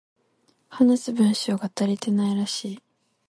話す文章が足りていないらしい